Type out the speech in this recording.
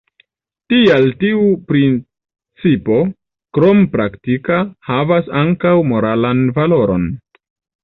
Tial tiu principo, krom praktika, havas ankaŭ moralan valoron.